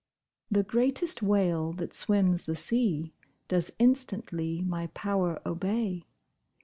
The greatest whale that swims the sea Does instantly my power obey.